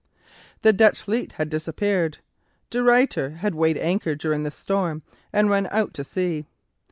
The Dutch fleet had disappeared. De Ruyter had weighed anchor during the storm and run out to sea.